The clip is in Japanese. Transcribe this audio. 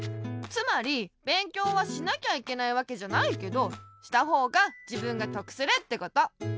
つまりべんきょうはしなきゃいけないわけじゃないけどしたほうがじぶんがとくするってこと。